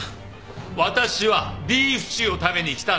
私はビーフシチューを食べに来たんだ！